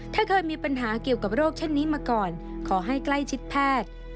ถ้าเคยมีปัญหาเกี่ยวกับโรคเช่นนี้มาก่อนขอให้ใกล้ชิดแพทย์